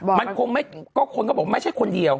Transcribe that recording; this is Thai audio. มันคงไม่ก็คนก็บอกไม่ใช่คนเดียว